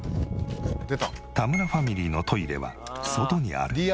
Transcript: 田村ファミリーのトイレは外にある。